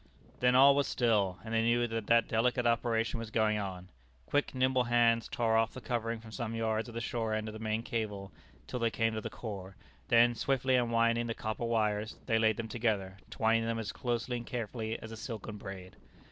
Then all was still, and they knew that that delicate operation was going on. Quick, nimble hands tore off the covering from some yards of the shore end of the main cable, till they came to the core; then, swiftly unwinding the copper wires, they laid them together, twining them as closely and carefully as a silken braid.